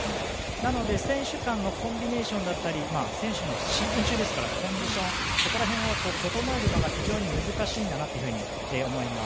なので、選手間のコンビネーションだったりシーズン中ですから選手のコンディションそこら辺を整えるのが非常に難しいだなと思います。